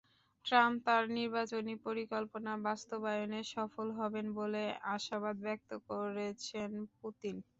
Trump তাঁর নির্বাচনী পরিকল্পনা বাস্তবায়নে সফল হবেন বলে আশাবাদ ব্যক্ত করেছেন পুতিন।